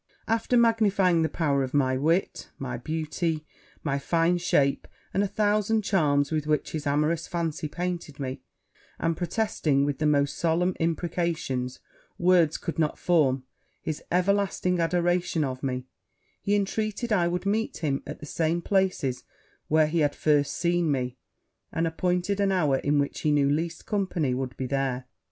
'After magnifying the power of my wit, my beauty, my fine shape, and a thousand charms with which his amorous fancy painted me, and protesting, with the most solemn imprecations words could form, his everlasting adoration of me, he intreated I would meet him at the same place where he had first seen me, and appointed an hour in which he knew least company would be there.